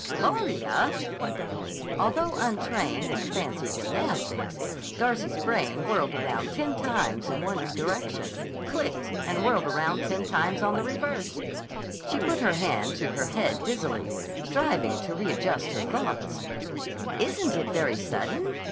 _" "Gloria!" Although untrained in fancy gymnastics, Darcy's brain whirled around ten times in one direction, clicked, and whirled around ten times on the reverse. She put her hand to her head dizzily, striving to readjust her thoughts. "Isn't it very sudden?"